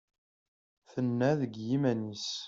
Tenna deg yiman-is.